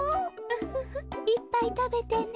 フフフいっぱいたべてね。